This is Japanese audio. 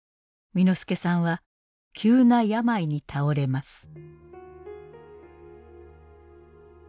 簑助さんは急な病に倒れます。